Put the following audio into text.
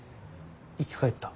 生き返った？